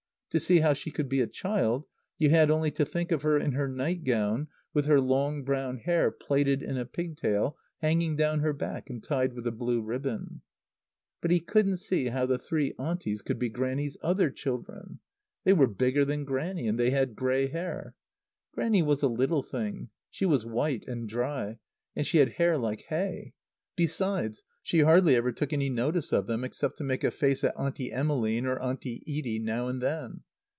To see how she could be a child you had only to think of her in her nightgown with her long brown hair plaited in a pigtail hanging down her back and tied with a blue ribbon. But he couldn't see how the three Aunties could be Grannie's other children. They were bigger than Grannie and they had grey hair. Grannie was a little thing; she was white and dry; and she had hair like hay. Besides, she hardly ever took any notice of them except to make a face at Auntie Emmeline or Auntie Edie now and then.